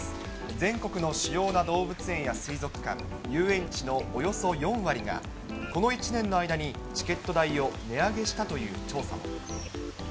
全国の主要な動物園や水族館、遊園地のおよそ４割が、この１年の間にチケット代を値上げしたという調査も。